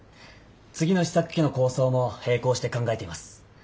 次の試作機の構想も並行して考えています。